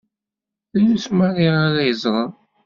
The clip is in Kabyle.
Drus maḍi ara yeẓṛen.